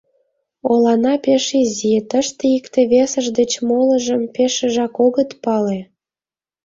Олана пеш изи, тыште икте-весышт деч молыжым пешыжак огыт пале.